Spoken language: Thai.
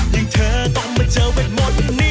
ยังเธอก็ไม่เจอไปหมดนี้